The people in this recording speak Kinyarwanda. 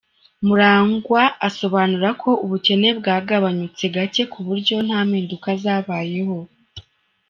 Murangwa asobanura ko ubukene bwagabanyutseho gake ku buryo nta mpinduka zabayeho.